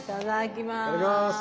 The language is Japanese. いただきます。